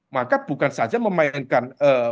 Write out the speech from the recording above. maka bukan saja memainkan